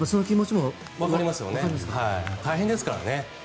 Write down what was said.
調整が大変ですからね。